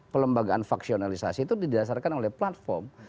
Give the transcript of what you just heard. pelembagaan faksionalisasi itu didasarkan oleh platform